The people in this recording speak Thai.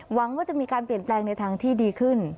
หวังว่าจะมีการเปลี่ยนแปลงในทางที่ดีขึ้น